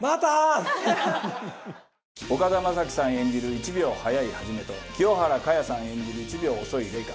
岡田将生さん演じる１秒早い一と清原果耶さん演じる１秒遅い麗華。